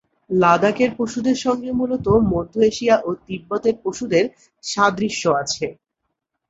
লাদাখের পশুদের সঙ্গে মূলতঃ মধ্য এশিয়া ও তিব্বতের পশুদের সাদৃশ্য আছে।